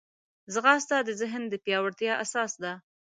ځغاسته د ذهن د پیاوړتیا اساس ده